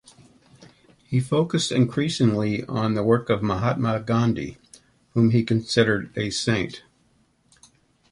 He focused increasingly on the work of Mahatma Gandhi, whom he considered a saint.